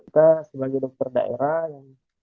kita sebagai dokter daerah yang